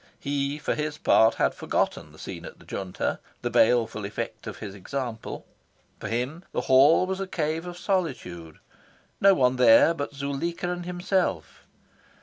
He, for his part, had forgotten the scene at the Junta, the baleful effect of his example. For him the Hall was a cave of solitude no one there but Zuleika and himself.